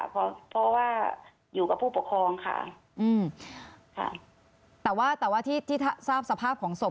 เพราะว่าอยู่กับผู้ปกครองค่ะอืมค่ะแต่ว่าแต่ว่าที่ที่ทราบสภาพของศพ